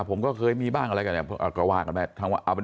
ผมก็เคยมีบ้างอะไรกันอ่ะก็ว่ากันแบบทั้งว่าเอาเป็น